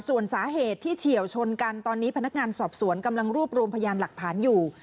ส่วนสาเหตุที่เฉียวชนกันตอนนี้พนักงานสอบสวนกำลังรวบรวมพยานหลักฐานอยู่